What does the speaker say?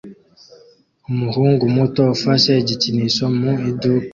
Umuhungu muto ufashe igikinisho mu iduka